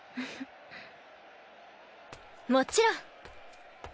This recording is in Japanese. もちろん。